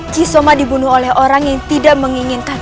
cisoma dibunuh oleh orang yang tidak menginginkan